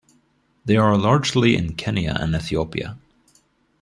They are largely in Kenya and Ethiopia.